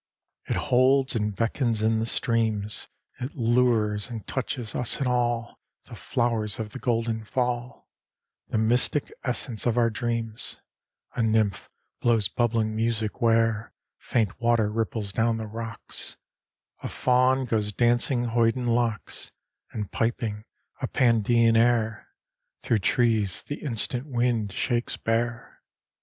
VIII It holds and beckons in the streams; It lures and touches us in all The flowers of the golden fall The mystic essence of our dreams: A nymph blows bubbling music where Faint water ripples down the rocks; A faun goes dancing hoiden locks, And piping a Pandean air, Through trees the instant wind shakes bare.